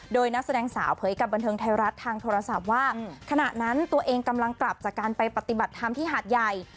โดยนักแสดงสาวเผยกับบันเทิงไทยรัฐทางโทรศัพท์ว่าขณะนั้นตัวเองกำลังกลับจากการไปปฏิบัติธรรมที่หาดใหญ่